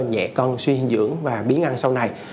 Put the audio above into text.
nhẹ cân suy hình dưỡng và biến ăn sau này